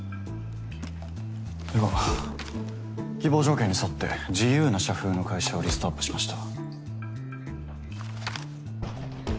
では希望条件に沿って自由な社風の会社をリストアップしました。